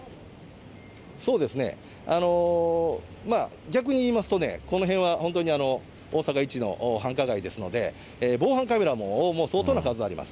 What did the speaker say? そうですね、逆に言いますとね、この辺は本当に大阪一の繁華街ですので、防犯カメラも相当な数あります。